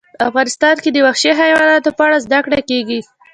افغانستان کې د وحشي حیواناتو په اړه زده کړه کېږي.